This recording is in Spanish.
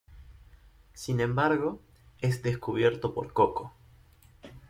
Sin embargo, es descubierto por Coco.